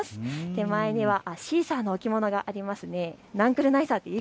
手前にはシーサーの置物がありますね。